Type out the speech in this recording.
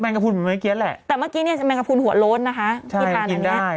เอาข้อคุตตามข่าวต้องมั้ย